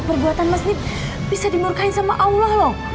perbuatan mas ini bisa dimurkahin sama allah loh